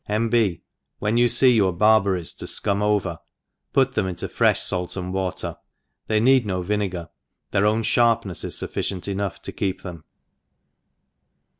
— iV. JB. When you fee your barberries fcum over put them into frefh fait and water^ ' they need no vinegar, their own (harpn«(s ia fuf ficient enough to keep them.